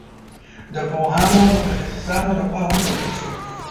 د پوهانو او متخصصانو له خوا وکتل شي.